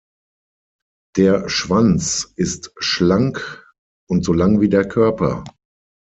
Der Schwanz ist schlank und so lang wie der Körper.